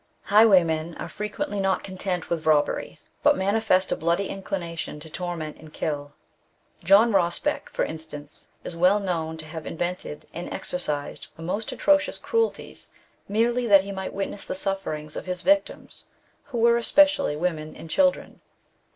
Highwaymen are fi'equently not content with robbery, but manifest a bloody inclination to torment and kill. John Rosbeck, for instance, is well known to have invented and exercised the most atrocious cruelties, merely that he might witness the sufferings of his victims, who were especially women and children.